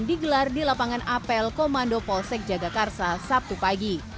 digelar di lapangan apel komando polsek jagakarsa sabtu pagi